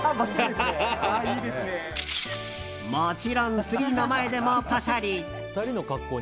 もちろんツリーの前でもパシャリ。